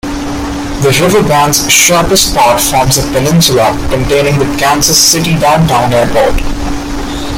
The river band's sharpest part forms a peninsula containing the Kansas City Downtown Airport.